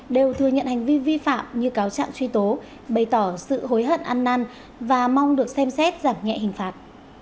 đều thừa nhận hành vi vi phạm như cáo trạng truy tố bày tỏ sự hối hận ăn năn và mong được xem xét giảm nhẹ hình phạt